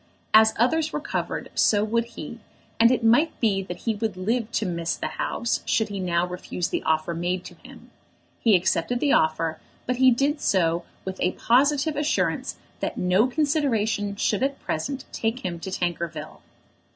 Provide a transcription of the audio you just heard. As others recovered so would he, and it might be that he would live to "miss the House," should he now refuse the offer made to him. He accepted the offer, but he did so with a positive assurance that no consideration should at present take him to Tankerville.